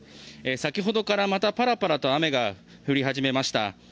先ほどからまたパラパラと雨が降り始めました。